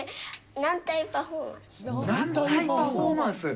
軟体パフォーマンス？